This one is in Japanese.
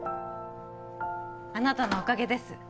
あなたのおかげです